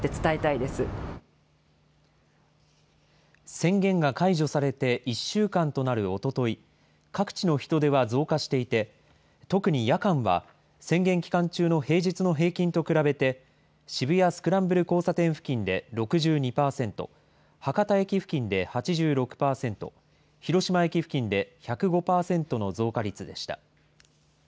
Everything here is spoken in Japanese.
宣言が解除されて１週間となるおととい、各地の人出は増加していて、特に夜間は、宣言期間中の平日の平均と比べて、渋谷スクランブル交差点付近で６２％、博多駅付近で８６％、広島駅付近で１０５％の増加率でした。